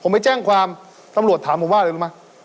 ผมไปแจ้งความตำรวจถามผมว่าอะไรรู้ไหม